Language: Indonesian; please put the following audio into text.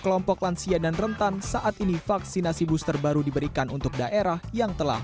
kelompok lansia dan rentan saat ini vaksinasi booster baru diberikan untuk daerah yang telah